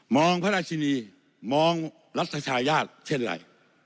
มองพระราชินีมองรัฐธัยาชเช่นไร